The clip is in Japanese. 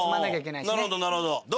なるほどなるほど。